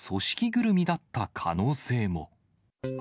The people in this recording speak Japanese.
ぐるみだった可能性も。